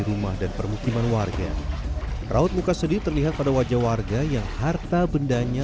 rumah dan permukiman warga raut muka sedih terlihat pada wajah warga yang harta bendanya